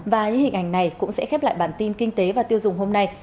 và những hình ảnh này cũng sẽ khép lại bản tin kinh tế và tiêu dùng hôm nay